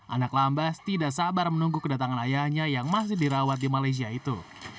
anak lambas tidak sabar menunggu kedatangan ayahnya yang masih dirawat di malaysia itu